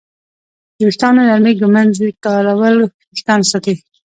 د ویښتانو نرمې ږمنځې کارول وېښتان ساتي.